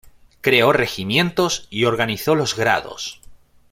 Creó regimientos y organizó los grados.